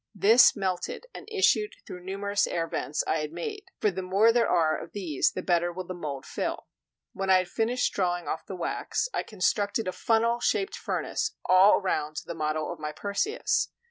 This melted and issued through numerous air vents I had made; for the more there are of these the better will the mold fill. When I had finished drawing off the wax, I constructed a funnel shaped furnace all round the model of my Perseus.